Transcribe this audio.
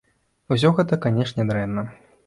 Усё гэта, канешне, дрэнна.